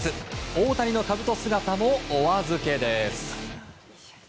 大谷のかぶと姿もお預けです。